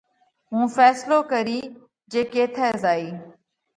هُون ڦينصلو ڪرِيه جي ڪيٿئہ زائِيه۔